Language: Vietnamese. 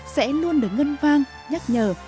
sẽ luôn được ngân vang nhắc nhở